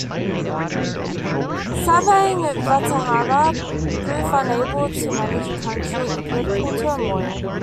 Savang Vatthana proved unable to manage a country in political turmoil.